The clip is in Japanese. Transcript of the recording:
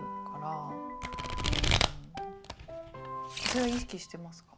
それは意識してますか？